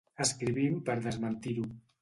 Escrivim per desmentir-ho.